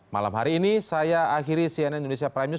malam hari ini saya akhiri cnn indonesia prime news